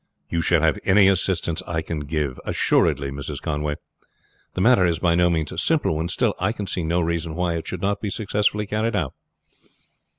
"You shall have any assistance I can give, assuredly, Mrs. Conway. The matter is by no means a simple one, still I can see no reason why it should not be successfully carried out."